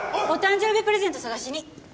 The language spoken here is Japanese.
お誕生日プレゼントを捜しに。